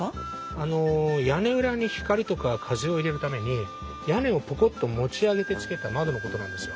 あの屋根裏に光とか風を入れるために屋根をポコッと持ち上げてつけた窓のことなんですよ。